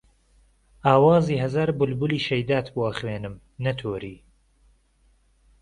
ئاوازی ههزار بولبولی شهیدات بۆ ئهخوێنم، نهتۆری